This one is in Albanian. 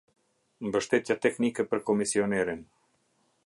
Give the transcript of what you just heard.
Mbështetja teknike për Komisionerin.